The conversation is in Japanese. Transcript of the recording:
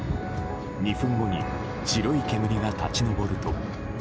２分後に白い煙が立ち上ると。